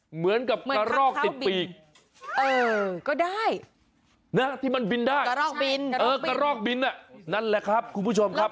เหมือนกับกะรอกติดปีกที่มันบินได้เออกะรอกบินน่ะนั่นแหละครับคุณผู้ชมครับ